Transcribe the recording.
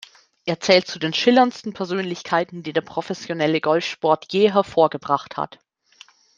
Er zählt zu den schillerndsten Persönlichkeiten, die der professionelle Golfsport je hervorgebracht hat.